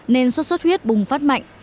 nên xuất xuất huyết bùng phát mạnh